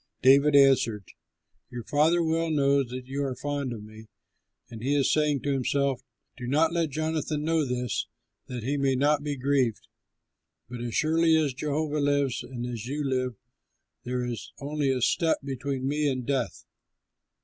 David answered, "Your father well knows that you are fond of me, and he is saying to himself, 'Do not let Jonathan know this that he may not be grieved.' But as surely as Jehovah lives and as you live, there is only a step between me and death."